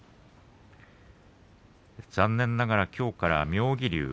残念ながら、きょうから妙義龍